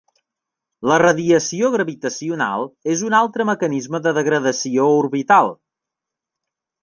La radiació gravitacional és un altre mecanisme de degradació orbital.